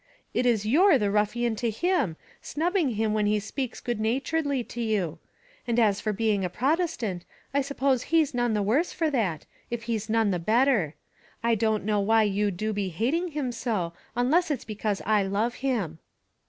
It is you're the ruffian to him, snubbing him when he speaks good naturedly to you. And as for being a Protestant, I suppose he's none the worse for that, if he's none the better. I don't know why you do be hating him so, unless it's because I love him."